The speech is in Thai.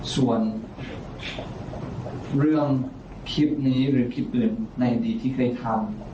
ส่วนเรื่องคลิปนี้หรือคลิปอื่นในอดีตที่เคยทำ